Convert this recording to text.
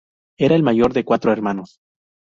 Era el mayor de cuatro hermanos.